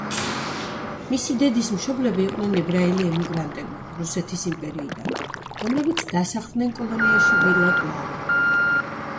მისი დედის მშობლები იყვნენ ებრაელი ემიგრანტები რუსეთის იმპერიიდან, რომლებიც დასახლდნენ კოლონიაში ვილა კლარა.